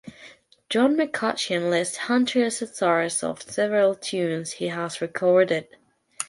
John McCutcheon lists Hunter as a source for several tunes he has recorded.